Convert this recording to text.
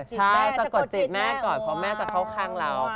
ใช่สะกดจีบแม่ก่อนเพราะแม่จะเข้าข้างเรา